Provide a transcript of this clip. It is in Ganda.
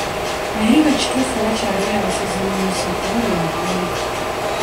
Naye nga kituufu wakyaliyo abasezi mu nsi oba bya bulimba?